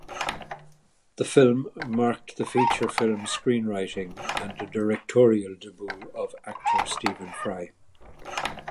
The film marked the feature film screenwriting and directorial debut of actor Stephen Fry.